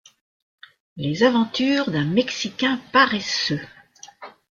Les aventures d'un Mexicain paresseux.